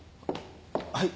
はい。